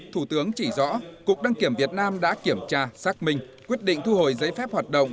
thủ tướng chỉ rõ cục đăng kiểm việt nam đã kiểm tra xác minh quyết định thu hồi giấy phép hoạt động